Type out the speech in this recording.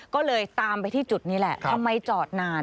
ก็เลยตามไปที่จุดนี้แหละทำไมจอดนาน